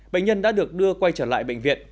bệnh nhân đã được đưa quay trở lại bệnh viện